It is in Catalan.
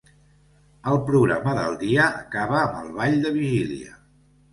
El programa del dia acaba amb el ball de vigília.